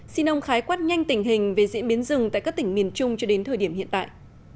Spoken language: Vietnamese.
xin ông khái quát nhanh tình hình về diễn biến rừng tại các tỉnh miền trung cho đến thời điểm hiện tại